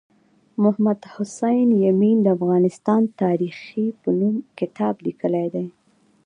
محمد حسین یمین د افغانستان تاریخي په نوم کتاب لیکلی دی